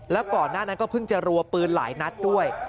แล้วก่อนหน้านั้นก็เพิ่งจะรัวปืนหลายนัดด้วย